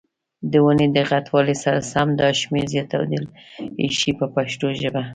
د ونې د غټوالي سره سم دا شمېر زیاتېدلای شي په پښتو ژبه.